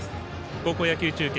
高校野球中継